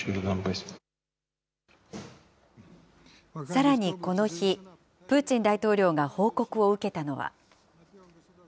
さらにこの日、プーチン大統領が報告を受けたのは。